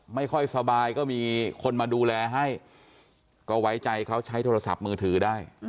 ไม่ค่อยสบายก็มีคนมาดูแลให้ก็ไว้ใจเขาใช้โทรศัพท์มือถือได้